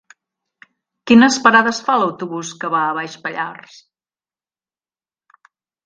Quines parades fa l'autobús que va a Baix Pallars?